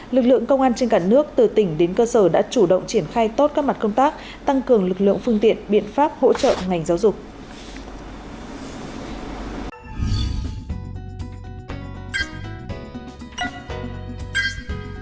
lực lượng công an trên cả nước từ tỉnh đến cơ sở đã chủ động triển khai tốt các mặt công tác tăng cường lực lượng phương tiện biện pháp hỗ trợ ngành giáo dục